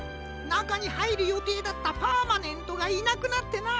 なかにはいるよていだったパーマネントがいなくなってな。